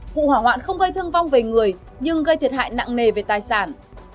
vụ hỏa hoạn không gây thương vong về người nhưng gây thiệt hại nặng nề về tài sản